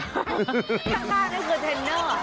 ข้างนี่คือเทรนเนอร์